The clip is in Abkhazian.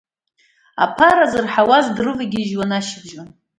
Аԥара зырҳауаз дрывагьежьуан ашьыбжьон.